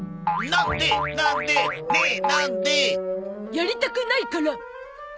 やりたくないから！